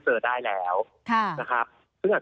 จริงค่ะ